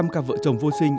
năm mươi cặp vợ chồng vô sinh